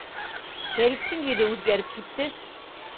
Фәриттең йөҙө үҙгәреп китте.